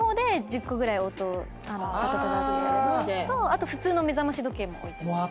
あと普通の目覚まし時計も置いてます。